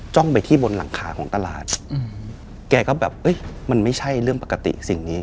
ไปที่บนหลังคาของตลาดแกก็แบบเอ้ยมันไม่ใช่เรื่องปกติสิ่งนี้